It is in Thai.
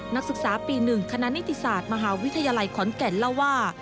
นักศึกษาปี๑คณะนิติศาสตร์มหาวิทยาลัยขอนแก่นเล่าว่า